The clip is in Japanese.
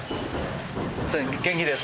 元気ですか？